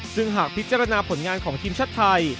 ซึ่งหากพิจารณาผลงานของทีมชาติไทย